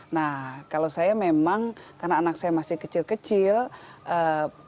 nah kalau saya memang karena anak saya masih kecil kecil ada prioritas prioritas yang masih ada